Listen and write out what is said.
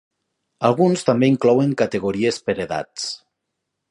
Alguns també inclouen categories per edats.